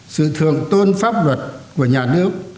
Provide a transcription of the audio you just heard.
sự thường tôn pháp luật của nhà nước